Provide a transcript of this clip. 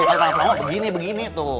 kalau pelangak pelongo begini begini tuh